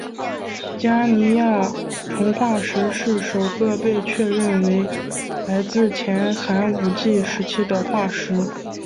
加尼亚虫化石是首个被确认为来自前寒武纪时期的化石。